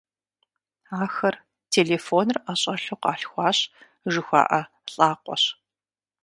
Ахэр «телефоныр ӀэщӀэлъу къалъхуащ» жыхуаӀэ лӀакъуэщ.